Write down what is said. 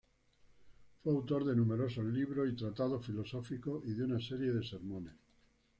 Fue autor de numerosos libros y tratados filosóficos y de una serie de sermones.